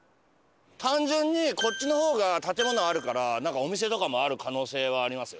単純にこっちの方が建物あるからお店とかもある可能性はありますよ。